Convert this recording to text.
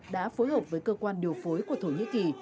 đã phối hợp với cơ quan điều phối của thổ nhĩ kỳ